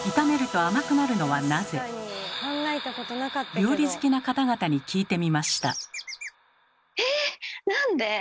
料理好きな方々に聞いてみました。